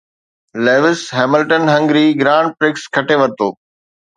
Lewis Hamilton Hungary grand prix کٽي ورتو